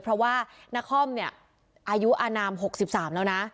เพราะว่านาคอมอายุอานาม๖๓แล้วนะ